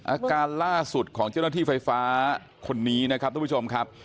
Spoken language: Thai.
อาการล่าสุดของเจ้าหน้าที่ไฟฟ้าคนนี้นะครับทุกผู้ชมครับ